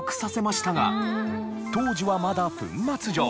当時はまだ粉末状。